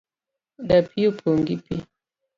Dapii opong' gi pii